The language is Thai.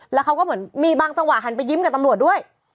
แล้วเขาก็เหมือนมีบางจังหวะหันไปยิ้มกับตำรวจด้วย